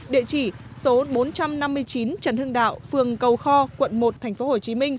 địa chỉ số bốn trăm năm mươi chín trần hưng đạo phường cầu kho quận một tp hcm